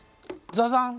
ザザン！